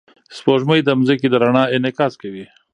سپوږمۍ د ځمکې د رڼا انعکاس کوي.